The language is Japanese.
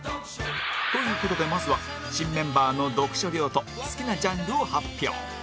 という事でまずは新メンバーの読書量と好きなジャンルを発表